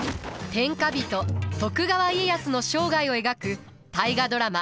天下人徳川家康の生涯を描く大河ドラマ